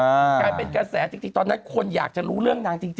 กลายเป็นกระแสจริงตอนนั้นคนอยากจะรู้เรื่องนางจริง